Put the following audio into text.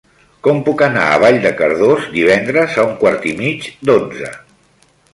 Com puc anar a Vall de Cardós divendres a un quart i mig d'onze?